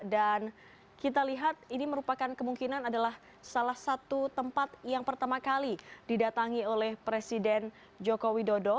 dan kita lihat ini merupakan kemungkinan adalah salah satu tempat yang pertama kali didatangi oleh presiden joko widodo